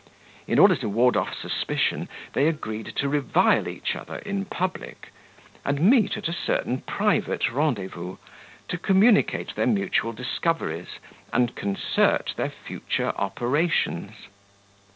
In order to ward off suspicion, they agreed to revile each other in public, and meet at a certain private rendezvous, to communicate their mutual discoveries, and concert their future operations.